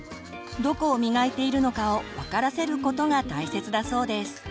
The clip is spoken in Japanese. どこを磨いているのかを分からせることが大切だそうです。